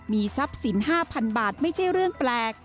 มีทรัพย์สิน๕๐๐๐บาทไม่ใช่เรื่องแปลก